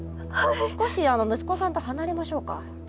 少し息子さんと離れましょうか。